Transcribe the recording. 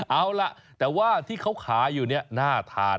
เอาล่ะแต่ว่าที่เขาขายอยู่เนี่ยน่าทาน